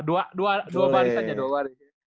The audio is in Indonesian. dua baris aja dua baris